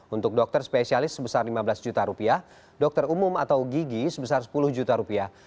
untuk dokter spesialis sebesar lima belas juta rupiah dokter umum atau gigi sebesar sepuluh juta rupiah